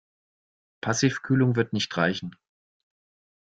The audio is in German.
Passivkühlung wird nicht reichen.